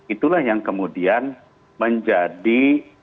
itulah yang kemudian menjadi